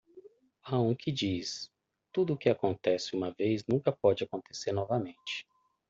Há um que diz? 'Tudo o que acontece uma vez nunca pode acontecer novamente.